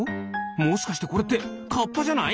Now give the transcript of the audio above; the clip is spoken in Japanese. もしかしてこれってカッパじゃない？